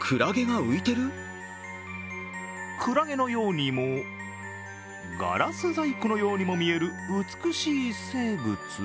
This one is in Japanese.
クラゲのようにも、ガラス細工のようにも見える美しい生物？